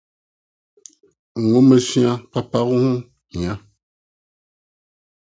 Nhomasua Papa Ho Hia